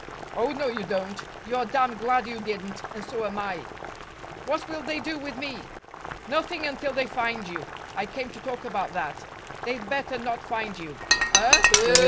"Oh, no, you don't. You're damned glad you didn't, and so am I." "What will they do with me?" "Nothing until they find you. I came to talk about that. They'd better not find you." "Huh!"